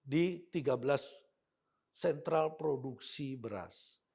di tiga belas sentral produksi beras